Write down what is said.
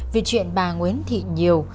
vì chuyện bà nguyễn thị nhiều